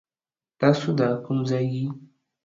تاسو دا کوم ځای يي ؟